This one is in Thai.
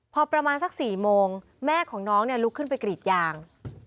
พอประมาณสัก๔โมงแม่ของน้องลุกขึ้นไปกรีดยาง